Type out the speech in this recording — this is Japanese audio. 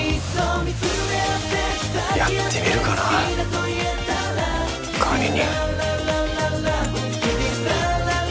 やってみるかな管理人。